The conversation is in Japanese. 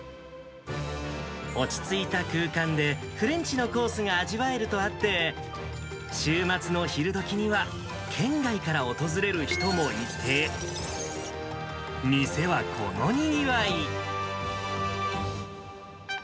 落ち着いた空間でフレンチのコースが味わえるとあって、週末の昼どきには、県外から訪れる人もいて、店はこのにぎわい。